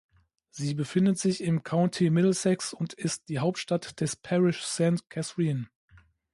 Sie befindet sich im County Middlesex und ist die Hauptstadt des Parish Saint Catherine.